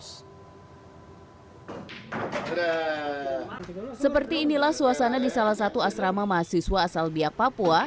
seperti inilah suasana di salah satu asrama mahasiswa asal biak papua